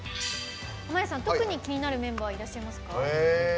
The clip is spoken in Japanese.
特に気になるメンバーはいらっしゃいますか？